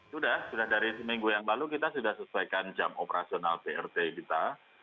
sudah sudah dari seminggu yang lalu kita sudah sesuaikan jam operasional prt kita